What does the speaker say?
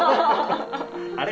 「あれ？」